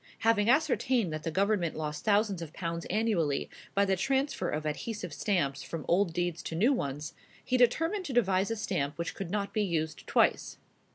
Having ascertained that the Government lost thousands of pounds annually by the transfer of adhesive stamps from old deeds to new ones, he determined to devise a stamp which could not be used twice.